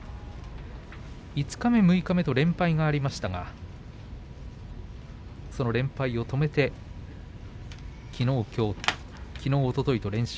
五日目、六日目と連敗がありましたがその連敗を止めてきのう、おとといと連勝。